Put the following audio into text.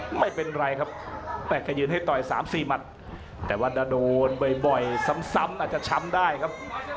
ไม่เป็นไรครับแม่ก็ยืนให้ต่อย๓๔หมัดแต่ว่าถ้าโดนบ่อยซ้ำอาจจะช้ำได้ครับ